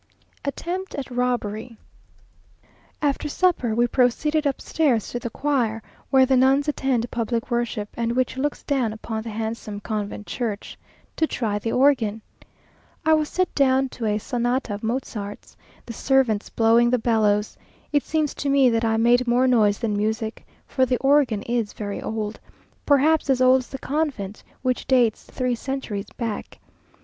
Attempt at Robbery After supper we proceeded upstairs to the choir (where the nuns attend public worship, and which looks down upon the handsome convent church) to try the organ. I was set down to a Sonata of Mozart's, the servants blowing the bellows. It seems to me that I made more noise than music, for the organ is very old, perhaps as old as the convent, which dates three centuries back.